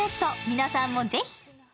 皆さんもぜひ。